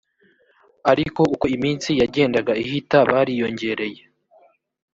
ariko uko iminsi yagendaga ihita bariyongereye